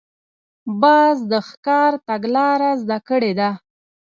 باز د ښکار تګلاره زده کړې ده